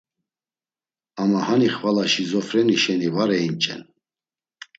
Ama hani xvala şizofreni şeni var einç̌en.